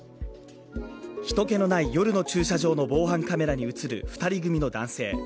人けのない夜の駐車場の防犯カメラに映る２人組の男性。